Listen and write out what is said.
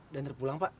dantar pulang pak